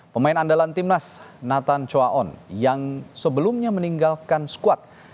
pemain andalan timnas nathan choaon yang sebelumnya meninggalkan squad